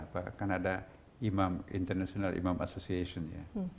karena ada imam internasional imam association ya